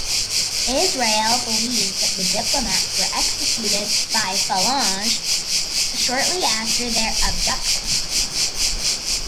Israel believes that the diplomats were executed by Phalange shortly after their abduction.